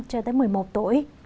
cho tới một mươi một tuổi